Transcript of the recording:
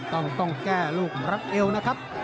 ต้องแก้ลูกรัดเอวนะครับ